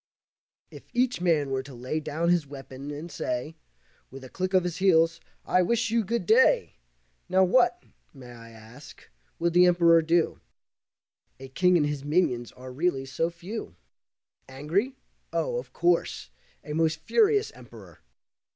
If each man were to lay down his weapon, and say, With a click of his heels, "I wish you Good day," Now what, may I ask, could the Emperor do? A king and his minions are really so few. Angry? Oh, of course, a most furious Emperor!